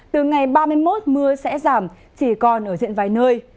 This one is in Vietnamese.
từ ngày ba mươi một mưa sẽ giảm chỉ còn ở diện vài nơi